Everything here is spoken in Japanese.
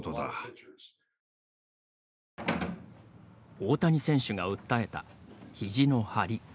大谷選手が訴えたひじの張り。